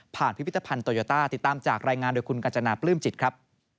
พิพิธภัณฑ์โตโยต้าติดตามจากรายงานโดยคุณกัญจนาปลื้มจิตครับ